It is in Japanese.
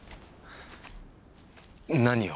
何を。